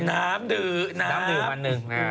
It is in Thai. น้ำหนือน้ำหนือต่อจากณเดชน์มานะครับ